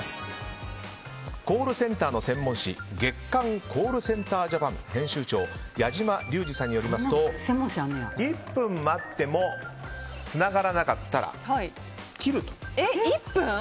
コールセンターの専門誌「月刊コールセンタージャパン」編集長の矢島竜児さんによりますと１分待ってもつながらなかったら切ると。